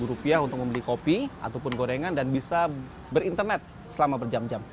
rp seratus untuk membeli kopi ataupun gorengan dan bisa berinternet selama berjam jam